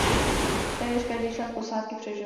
Téměř každý člen posádky přežil.